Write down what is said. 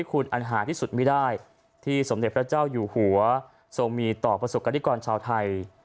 คุณอันหาที่สุดไม่ได้ที่สมเด็จพระเจ้าอยู่หัวทรงมีต่อประสบกรณิกรชาวไทย